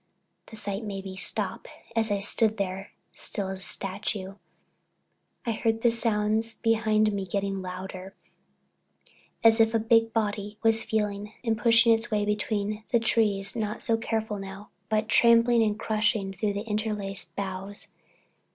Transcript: The sight made me stop and, as I stood there still as a statue, I heard the sounds behind me get louder, as if a big body was feeling and pushing its way between the trees, not so careful now, but trampling and crushing through the interlaced boughs.